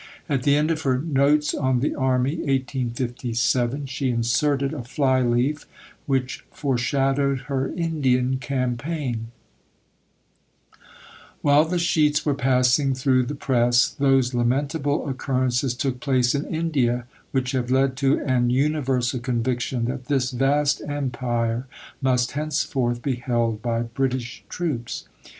At the end of her Notes on the Army (1857), she inserted a fly leaf, which foreshadowed her Indian campaign: While the sheets were passing through the press, those lamentable occurrences took place in India which have led to an universal conviction that this vast Empire must henceforth be held by British troops.